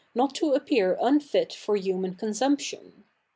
iot to appear unft for human consumption.